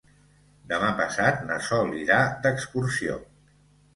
Demà passat na Sol irà d'excursió.